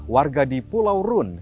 warga di pulau rune